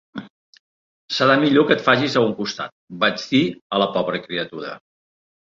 "Serà millor que et facis a un costat", vaig dir a la pobra criatura.